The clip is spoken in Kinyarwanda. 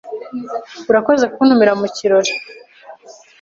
Urakoze kuntumira mu kirori.